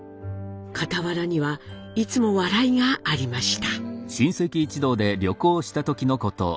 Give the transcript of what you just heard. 傍らにはいつも笑いがありました。